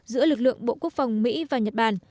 giữa lực lượng bộ quốc phòng mỹ và nhật bản